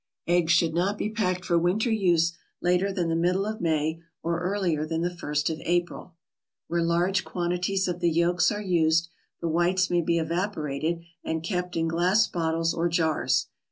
Eggs should not be packed for winter use later than the middle of May or earlier than the first of April. Where large quantities of the yolks are used, the whites may be evaporated and kept in glass bottles or jars.